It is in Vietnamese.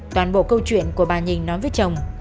toàn bộ câu chuyện của bà nhìn nói với chồng